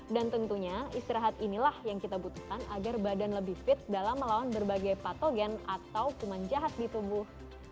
dan tentunya istirahat inilah yang kita butuhkan agar badan lebih fit dalam melawan berbagai patogen atau kuman jahat di tubuh